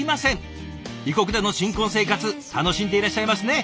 異国での新婚生活楽しんでいらっしゃいますね。